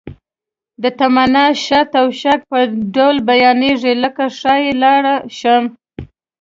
د تمنا، شرط او شک په ډول بیانیږي لکه ښایي لاړ شم.